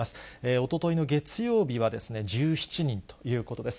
おとといの月曜日は、１７人ということです。